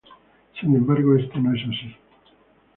Sin embargo esto no es así.